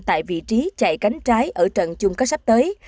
tại vị trí chạy cánh trái ở trận chung kết sắp tới